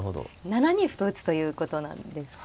７二歩と打つということなんですか？